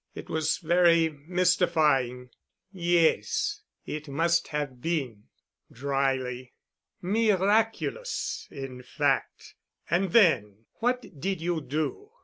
It was very mystifying." "Yes, it must have been," dryly, "miraculous, in fact. And then what did you do?"